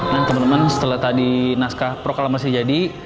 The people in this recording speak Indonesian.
nah teman teman setelah tadi naskah proklamasi jadi